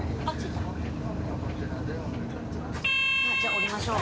じゃあ降りましょう。